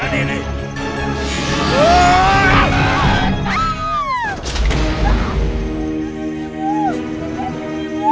ayolah ikut aku